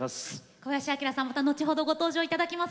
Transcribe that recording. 小林旭さんまた後ほどご登場頂きます。